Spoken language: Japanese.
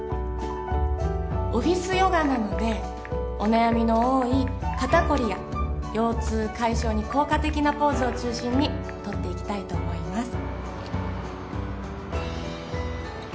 オフィスヨガなのでお悩みの多い肩こりや腰痛解消に効果的なポーズを中心にとっていきたいと思います